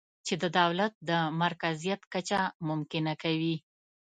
چې د دولت د مرکزیت کچه ممکنه کوي